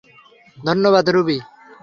ধন্যবাদ, রুবি।